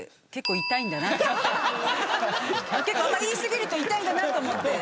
言い過ぎるとイタいんだなと思って。